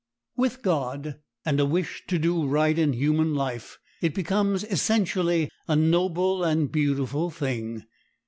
With God and a wish to do right in human life it becomes essentially a noble and beautiful thing.